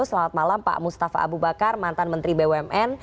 selamat malam pak mustafa abu bakar mantan menteri bumn